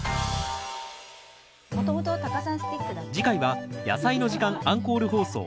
次回は「やさいの時間」アンコール放送。